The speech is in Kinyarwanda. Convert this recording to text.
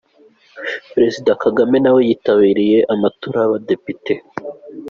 Perezida Kagame nawe yitabiriye amatora y’abadepite.